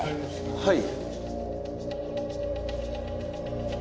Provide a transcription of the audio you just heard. はい。